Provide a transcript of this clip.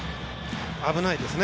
危ないですね